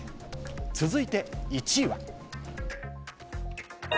続いて１位は。